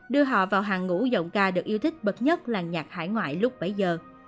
đưa họ vào hàng ngũ giọng ca được yêu thích bậc nhất là nhạc hải ngoại lúc bấy giờ